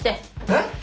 えっ？